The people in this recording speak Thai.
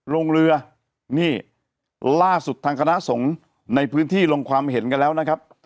ลงเรือนี่ล่าสุดทางคณะสงฆ์ในพื้นที่ลงความเห็นกันแล้วนะครับ